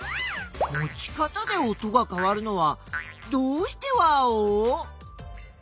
持ち方で音がかわるのはどうしてワオ？